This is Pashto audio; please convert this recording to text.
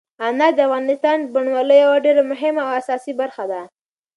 انار د افغانستان د بڼوالۍ یوه ډېره مهمه او اساسي برخه ده.